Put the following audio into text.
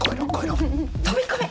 飛び込め！